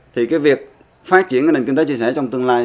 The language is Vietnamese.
thì cái việc phát triển nền kinh tế chia sẻ trong tương lai